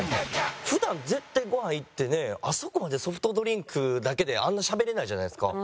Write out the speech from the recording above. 普段絶対ごはん行ってねあそこまでソフトドリンクだけであんなしゃべれないじゃないですか。